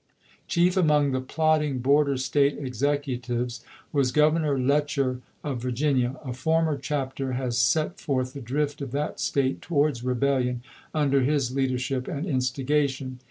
Chief among the plotting border State execu tives was Governor Letcher of Virginia. A former chapter has set forth the drift of that State to wards rebellion under his leadership and instiga tion.